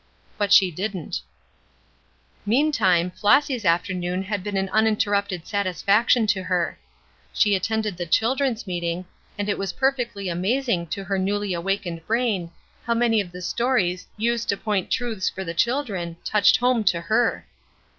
But she didn't. Meantime Flossy's afternoon had been an uninterrupted satisfaction to her. She attended the children's meeting, and it was perfectly amazing to her newly awakened brain how many of the stories, used to point truths for the children, touched home to her.